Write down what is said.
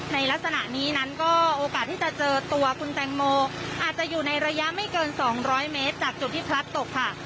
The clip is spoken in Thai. ในลักษณะนี้นั้นก็โอกาสที่จะเจอตัวคุณแตงโมอาจจะอยู่ในระยะไม่เกิน๒๐๐เมตรจากจุดที่พลัดตกค่ะ